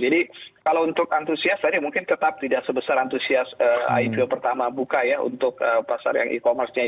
jadi kalau untuk antusias tadi mungkin tetap tidak sebesar antusias ipo pertama buka ya untuk pasar yang e commerce